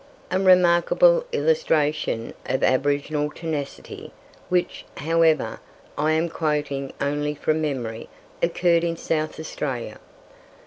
A remarkable illustration of aboriginal tenacity, which, however, I am quoting only from memory, occurred in South Australia.